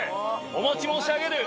お待ち申し上げる。